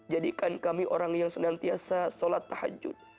jadikan kami orang yang senantiasa sholat tahajud